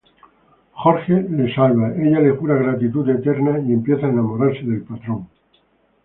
Jorge la salva, ella le jura gratitud eterna y empieza a enamorarse del patrón.